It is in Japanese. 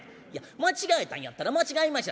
間違えたんやったら『間違えました。